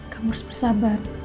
kamu harus bersabar